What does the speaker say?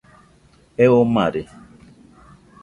Eo mare